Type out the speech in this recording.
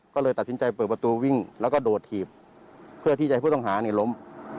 ก็เลยตัดสินใจเปิดประตูวิ่งแล้วก็โดดถีบเพื่อที่จะให้ผู้ต้องหาเนี่ยล้ม